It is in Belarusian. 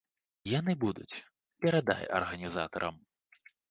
Яны будуць, перадай арганізатарам.